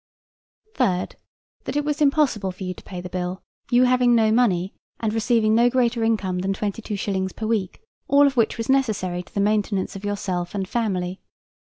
Third, That it was impossible for you to pay the bill, you having no money, and receiving no greater income than 22 shillings per week, all of which was necessary to the maintenance of yourself and family.